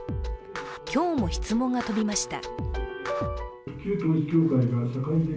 今日も質問が飛びました。